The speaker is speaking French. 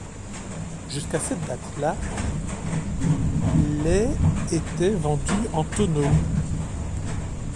Jusqu’à cette date-là, les étaient vendus en tonneaux.